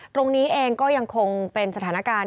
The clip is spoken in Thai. ตรงนี้เองก็ยังคงเป็นสถานการณ์